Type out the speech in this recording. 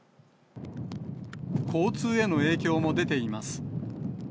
交通への影響も出ています。